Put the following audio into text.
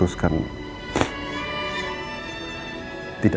apakah anda bisa memikat christian